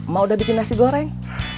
mau udah bikin nasi goreng